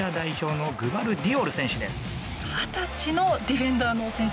二十歳のディフェンダーの選手ですね。